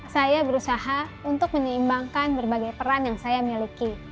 saya berusaha untuk menyeimbangkan berbagai peran yang saya miliki